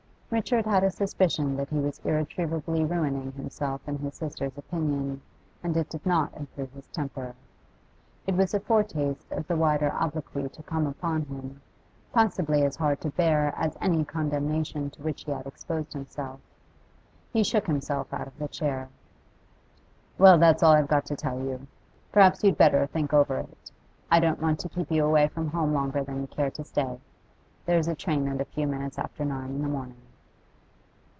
Richard had a suspicion that he was irretrievably ruining himself in his sister's opinion, and it did not improve his temper. It was a foretaste of the wider obloquy to come upon him, possibly as hard to bear as any condemnation to which he had exposed himself. He shook himself out of the chair. 'Well, that's all I've got to tell you. Perhaps you'd better think over it. I don't want to keep you away from home longer than you care to stay. There's a train at a few minutes after nine in the morning.